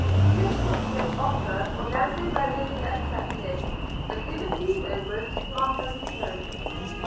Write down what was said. This courteous offer Orlando readily accepted; and in a few moments Martha returned.